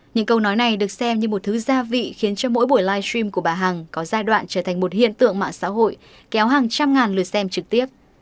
những câu nói này được xem như một thứ gia vị khiến cho mỗi buổi live stream của bà hằng có giai đoạn trở thành một hiện tượng mạng xã hội kéo hàng trăm ngàn lượt xem trực tiếp